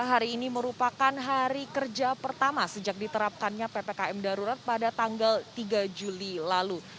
hari ini merupakan hari kerja pertama sejak diterapkannya ppkm darurat pada tanggal tiga juli lalu